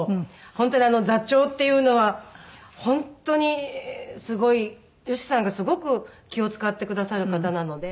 本当に座長っていうのは本当にすごい吉さんがすごく気を使ってくださる方なので。